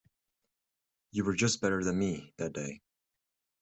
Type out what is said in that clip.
You were just better than me that day.